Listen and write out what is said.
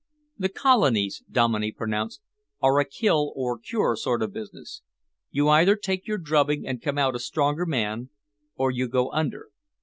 "The colonies," Dominey pronounced, "are a kill or cure sort of business. You either take your drubbing and come out a stronger man, or you go under.